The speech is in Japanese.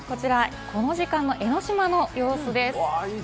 この時間の江の島の様子です。